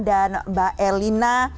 dan mbak elina